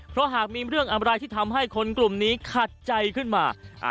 เพราะหากมีเรื่องอะไรที่ทำให้คนกลุ่มนี้ขัดใจขึ้นมา